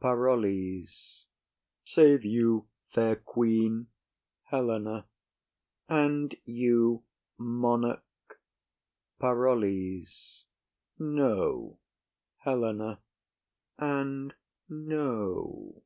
PAROLLES. Save you, fair queen! HELENA. And you, monarch! PAROLLES. No. HELENA. And no.